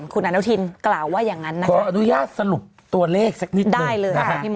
คุณอันนูทินกล่าวว่าอย่างนั้นนะครับได้เลยนะครับขออนุญาตสรุปตัวเลขสักนิดหนึ่ง